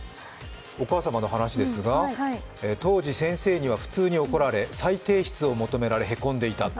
お母様の話ですが、当時、先生には普通に怒られ再提出を求められ、凹んでいた。